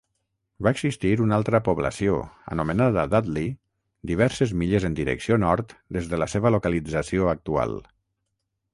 Va existir una altra població anomenada Dudley diverses milles en direcció nord des de la seva localització actual.